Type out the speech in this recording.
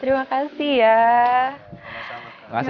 terima kasih ya mas